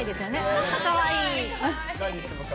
ちょっとかわいい。